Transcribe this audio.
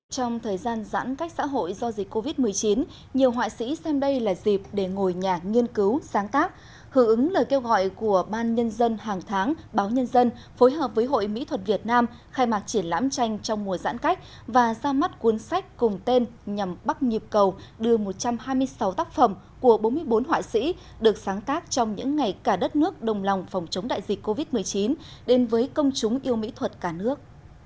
trong thời gian giãn cách xã hội do dịch covid một mươi chín nhiều họa sĩ xem đây là dịp để ngồi nhà nghiên cứu sáng tác hữu ứng lời kêu gọi của ban nhân dân hàng tháng báo nhân dân phối hợp với hội mỹ thuật việt nam khai mạc triển lãm tranh trong mùa giãn cách và ra mắt cuốn sách cùng tên nhằm bắt nhịp cầu đưa một trăm hai mươi sáu tác phẩm của bốn mươi bốn họa sĩ được sáng tác trong những ngày cả đất nước đồng lòng phòng chống đại dịch covid một mươi chín đến với công chúng yêu mỹ thuật cả nước